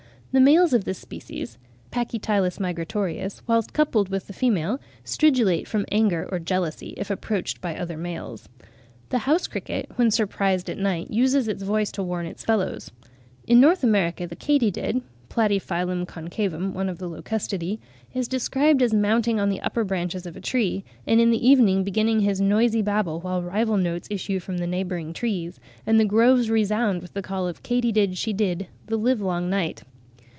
The males of this species (Pachytylus migratorius) whilst coupled with the female stridulate from anger or jealousy, if approached by other males. The house cricket when surprised at night uses its voice to warn its fellows. (29. Gilbert White, 'Natural History of Selborne,' vol. ii. 1825, p. 262.) In North America the Katy did (Platyphyllum concavum, one of the Locustidae) is described (30. Harris, 'Insects of New England,' 1842, p. 128.) as mounting on the upper branches of a tree, and in the evening beginning "his noisy babble, while rival notes issue from the neighbouring trees, and the groves resound with the call of Katy did she did the live long night."